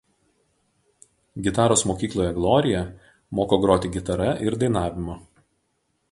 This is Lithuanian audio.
Gitaros mokykloje „Glorija“ moko groti gitara ir dainavimo.